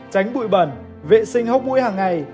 tránh bụi bẩn vệ sinh hốc mũi hằng ngày